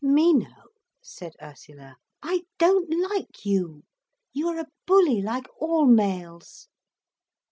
"Mino," said Ursula, "I don't like you. You are a bully like all males."